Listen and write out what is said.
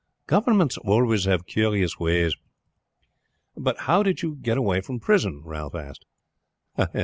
Governments always have curious ways." "But how did you get away from prison?" Ralph asked.